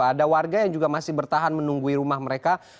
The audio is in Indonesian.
ada warga yang juga masih bertahan menunggui rumah mereka